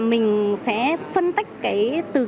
mình sẽ phân tách từ